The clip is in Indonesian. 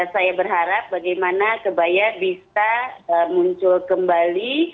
saya berharap bagaimana kebaya bisa muncul kembali